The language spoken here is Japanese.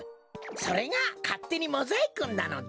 それがかってにモザイクンなのだ。